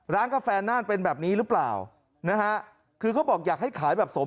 คุณจะขายของคุณภาพสวนทางกับราคา